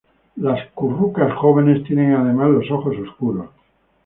Las currucas jóvenes tienen además los ojos oscuros.